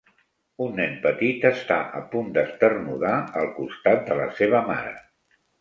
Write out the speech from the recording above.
Un nen petit està a punt d'esternudar al costat de la seva mare.